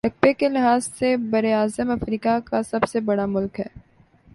رقبے کے لحاظ سے براعظم افریقہ کا سب بڑا ملک ہے